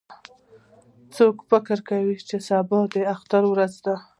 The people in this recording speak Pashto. څوک فکر کوي چې سبا به د اختر ورځ وي